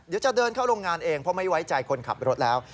เดี๋ยวจะเดินเข้าโรงงานเองเพราะไม่ไว้ใจคนขับรถแล้ว